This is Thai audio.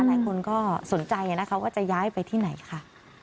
หลายคนก็สนใจนะคะว่าจะย้ายไปที่ไหนค่ะ